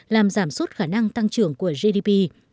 làm giảm suất khả năng tăng trưởng của gdp